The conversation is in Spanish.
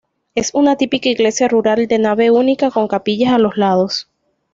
Es una típica iglesia rural de nave única, con capillas a los lados.